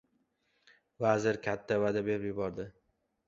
Vazir katta va’da berib yubordi...